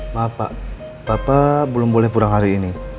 maaf pak bapak belum boleh pulang hari ini